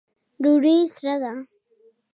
ډوډۍ سره ده